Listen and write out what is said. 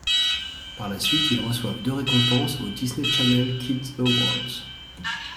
Par la suite, ils reçoivent deux récompenses aux Disney Channel Kids Awards.